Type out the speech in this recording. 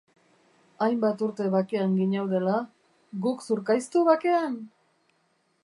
Hainbat urte bakean ginaudela, guk zurkaiztu bakean!